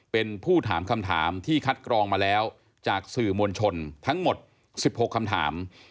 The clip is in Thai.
เป็นผู้ถามคำถามที่คัดกรองมาแล้วจากสื่อมวลชนทั้งหมด๑๖คำถาม